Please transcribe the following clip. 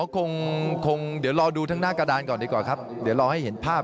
คงคงเดี๋ยวรอดูทั้งหน้ากระดานก่อนดีกว่าครับเดี๋ยวรอให้เห็นภาพ